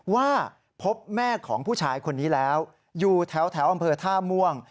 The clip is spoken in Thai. ว่าพบแม่ของผู้ชายคนนี้แล้วอยู่แถวอำเภอท่าม่วง